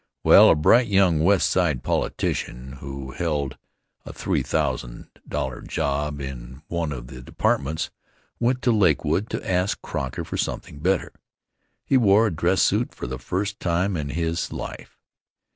Well, a bright young West Side politician, who held a three thousan dollar job in one of the departments, went to Lakewood to ask Croker for something better. He wore a dress suit for the first time in his hie.